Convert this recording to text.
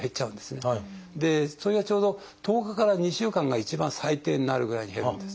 それがちょうど１０日から２週間が一番最低になるぐらいに減るんです。